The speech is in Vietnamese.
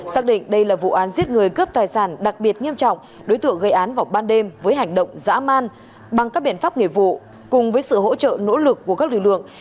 xác định đây là vụ án giết người cướp tài sản đặc biệt nghiêm trọng đối tượng gây án vào ban đêm với hành động dã man bằng các biện pháp nghề vụ cùng với sự hỗ trợ nỗ lực của các lực lượng